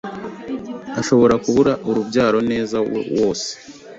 ashobora kubura urubyaro neza wose